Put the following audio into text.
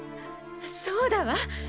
そうだわ。